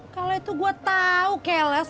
kalo itu gua tau keles